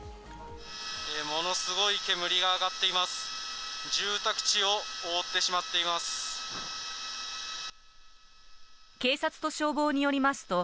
ものすごい煙が上がっています。